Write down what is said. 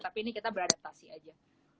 tapi ini kita beradaptasi aja